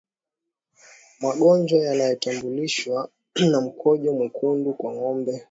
Magonjwa yanayotambulishwa na mkojo mwekundu kwa ngombe